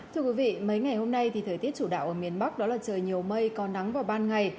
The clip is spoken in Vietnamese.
thưa quý vị mấy ngày hôm nay thì thời tiết chủ đạo ở miền bắc đó là trời nhiều mây có nắng vào ban ngày